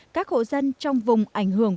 các hộ dân trong vùng ảnh hưởng